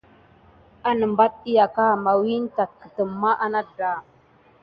Wanəmbat əyaka mawu tat kudume aka umpay ba.